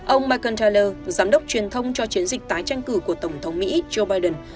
ông michael trailer giám đốc truyền thông cho chiến dịch tái tranh cử của tổng thống mỹ joe biden